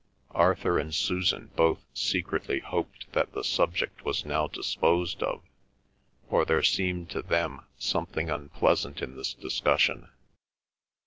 Arthur and Susan both secretly hoped that the subject was now disposed of, for there seemed to them something unpleasant in this discussion.